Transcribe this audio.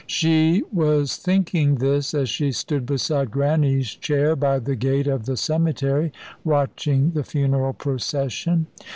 She was thinking this, as she stood beside Grannie's chair by the gate of the cemetery watching the funeral procession.